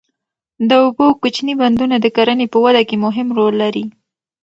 د اوبو کوچني بندونه د کرنې په وده کې مهم رول لري.